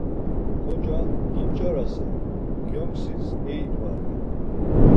Xoca ginç̌arase, gyonǩsis eydvare